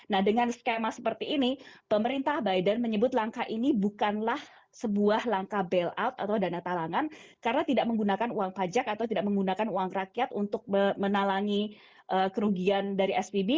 nah dengan skema seperti ini pemerintah biden menyebut langkah ini bukanlah sebuah langkah bailout atau dana talangan karena tidak menggunakan uang pajak atau tidak menggunakan uang rakyat untuk menalangi kerugian dari spb